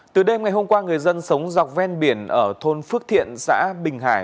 từ đêm ngày hôm qua người dân sống dọc ven biển ở thôn phước thiện xã bình hải